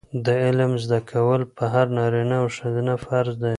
د علم زده کول په هر نارینه او ښځینه فرض دي.